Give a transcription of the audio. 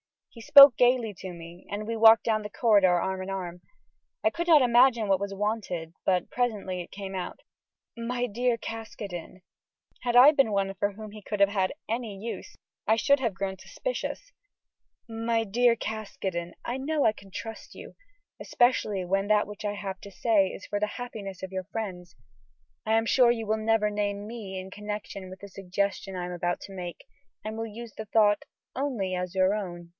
He spoke gayly to me, and we walked down the corridor arm in arm. I could not imagine what was wanted, but presently it came out: "My dear Caskoden" had I been one for whom he could have had any use, I should have grown suspicious "My dear Caskoden, I know I can trust you; especially when that which I have to say is for the happiness of your friends. I am sure you will never name me in connection with the suggestion I am about to make, and will use the thought only as your own."